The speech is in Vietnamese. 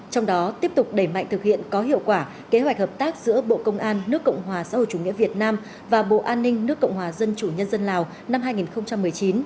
trong đó tiếp tục đẩy mạnh thực hiện có hiệu quả kế hoạch hợp tác giữa bộ công an nước cộng hòa xã hội chủ nghĩa việt nam và bộ an ninh nước cộng hòa dân chủ nhân dân lào năm hai nghìn một mươi chín